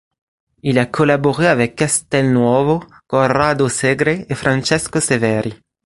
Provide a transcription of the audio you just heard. Il a collaboré avec Castelnuovo, Corrado Segre et Francesco Severi.